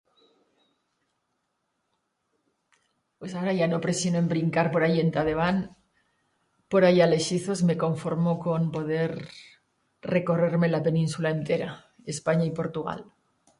Pues agora ya no preixino en brincar por allí enta debant, por allá leixizos; me conformo con poder recorrer-me la peninsula entera: Espanya y Portugal.